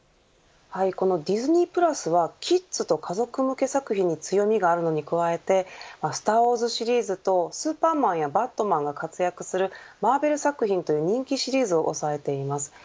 このディズニープラスはキッズと家族向け作品に強みがあるのに加えてスターウォーズシリーズとスーパーマンやバットマンが活躍するマーベル作品という人気シリーズをおさえています。